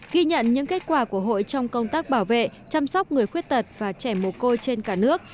ghi nhận những kết quả của hội trong công tác bảo vệ chăm sóc người khuyết tật và trẻ mồ côi trên cả nước